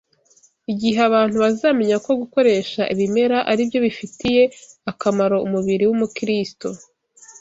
igihe abantu bazamenya ko gukoresha ibimera ari byo bifitiye akamaro umubiri w’Umukristo.